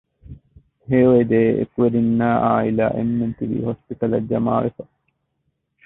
ހެޔޮއެދޭ އެކުވެރިންނާއި އާއިލާ އެންމެންތިބީ ހޮސްޕިޓަލަށް ޖަމާވެފަ